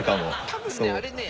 多分ねあれね